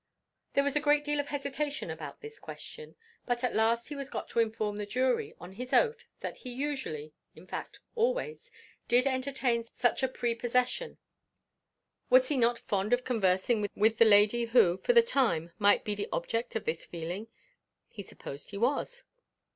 There was a great deal of hesitation about this question, but at last he was got to inform the jury on his oath that he usually in fact always did entertain such a prepossession. Was he not fond of conversing with the lady who for the time might be the object of this feeling? He supposed he was.